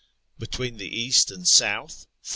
Between the east and south — 4.